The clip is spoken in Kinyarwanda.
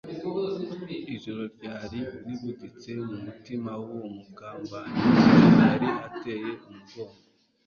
Ijoro ryari ribuditse mu mutima w'uwo mugambanyi igihe yari ateye umugongo